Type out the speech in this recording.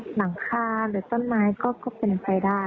หลังคาหรือต้นไม้ก็เป็นไปได้